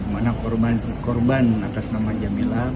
mana korban atas nama jamila